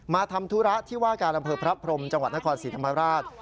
ทำธุระที่ว่าการอำเภอพระพรมจังหวัดนครศรีธรรมราช